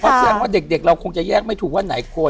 ก็แสดงว่าเด็กเราคงจะแยกไม่ถูกว่าไหนควร